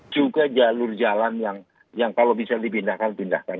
juga jalur jalan yang kalau bisa dipindahkan pindahkan